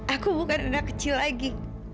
aku bukan anak kecil lagi